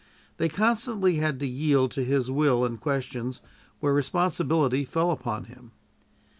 They constantly had to yield to his will in questions where responsibility fell upon him.